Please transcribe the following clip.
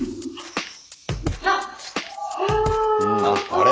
あれ？